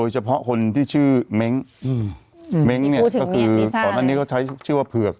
เฉพาะคนที่ชื่อเม้งอืมอืมเม้งเนี้ยก็คือตอนนั้นเนี้ยเขาใช้ชื่อว่าเผือก